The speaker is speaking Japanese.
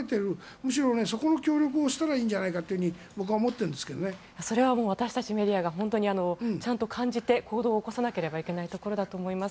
むしろそこの協力をしたらいいんじゃないかと私たちメディアはそれを本当にちゃんと感じて行動を起こさなきゃいけないことだと思います。